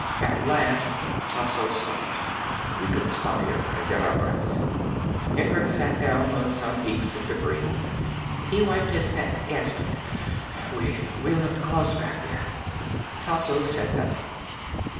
At last Tasso stopped. "We can stop here and get our breaths." Hendricks sat down on some heaps of debris. He wiped his neck, gasping. "We left Klaus back there." Tasso said nothing.